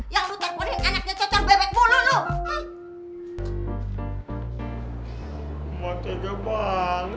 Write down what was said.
yang lu telepon yang anaknya cocor bebekmu